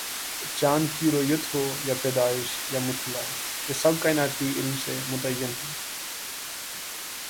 چاند کی رویت ہو یا پیدائش یا مطلع، یہ سب کائناتی علم سے متعین ہوں۔